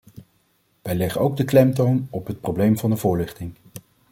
Wij leggen ook de klemtoon op het probleem van de voorlichting.